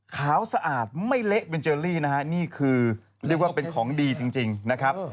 สะอาดไม่เละเบนเจอรี่นะฮะนี่คือเรียกว่าเป็นของดีจริงนะครับ